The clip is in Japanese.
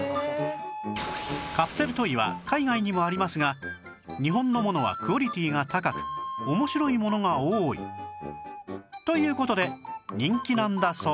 カプセルトイは海外にもありますが日本のものはクオリティが高く面白いものが多いという事で人気なんだそうです